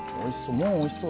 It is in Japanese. もうおいしそう。